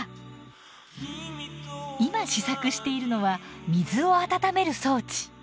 今試作しているのは水を温める装置。